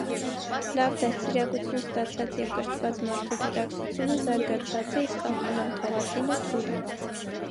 լավ դաստիարակություն ստացած և կրթված մարդու գիտակցությունը զարգացած է, իսկ անխնամ թողածինը- թույլ: